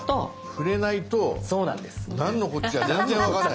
触れないとなんのこっちゃ全然分からない。